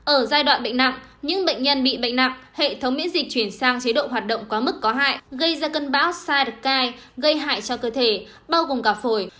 ở giai đoạn bệnh nặng những bệnh nhân bị bệnh nặng hệ thống miễn dịch chuyển sang chế độ hoạt động quá mức có hại gây ra cơn bão sirekai gây hại cho cơ thể bao gồm cả phổi